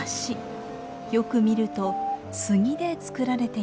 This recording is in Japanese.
よく見ると杉で作られています。